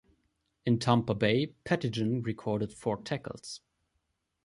In Tampa Bay, Pettijohn recorded four tackles.